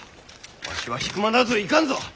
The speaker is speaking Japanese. わしは引間なぞいかんぞ！